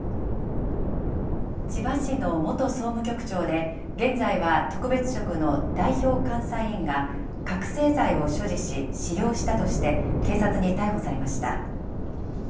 千葉市の元総務局長で、現在は特別職の代表監査委員が覚醒剤を所持し使用したとして、警察に逮捕されました。